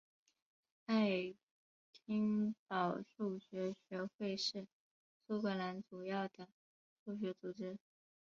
爱丁堡数学学会是苏格兰主要的数学组织。